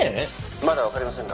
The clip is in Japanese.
「まだわかりませんが」